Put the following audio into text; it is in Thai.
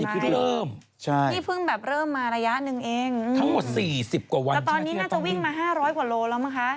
แต่ตอนนี้จะวิ่งมา๕๐๐กว่าโลแล้วไหมคะ